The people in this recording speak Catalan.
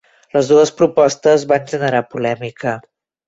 Les dues propostes van generar polèmica.